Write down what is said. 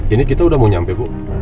ini kita udah mau nyampe bu